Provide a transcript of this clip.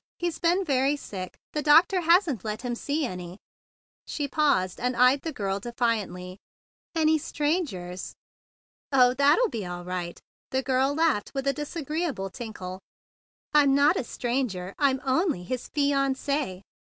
He's been very sick. The doctor hasn't let him see any"—she paused, and eyed the girl defiantly—"any strangers ." "Oh, that'll be all right," laughed the girl with a disagreeable tinkle. "I'm not a stranger. I'm only his fiancee."